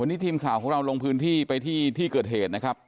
วันนี้ทีมข่าวของเราลงพื้นที่ไปที่ที่เกิดเหตุนะครับ